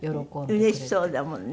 うれしそうだもんね。